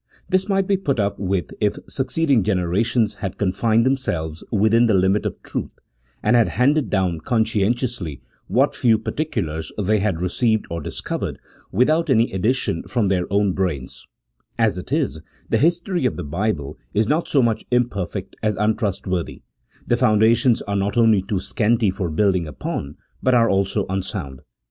This might "be put up with if succeeding generations had confined themselves within the limits of truth, and had handed down conscientiously what few particulars they had re ceived or discovered without any additions from their own brains : as it is, the history of the Bible is not so much imperfect as untrustworthy : the foundations are not only too scanty for building upon, but are also unsound.